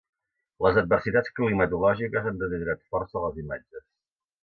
Les adversitats climatològiques han deteriorat força les imatges.